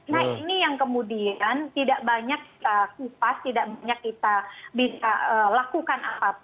nah ini yang kemudian tidak banyak kita kupas tidak banyak kita bisa lakukan apapun